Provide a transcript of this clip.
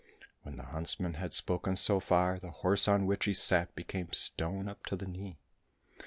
" When the huntsman had spoken so far, the horse on which he sat became stone up to the knee.